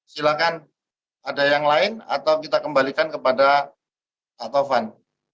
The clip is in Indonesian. silakan ada yang lain atau kita kembalikan kepada pak tovan